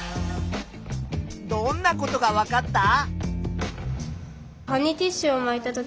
どんなことがわかった？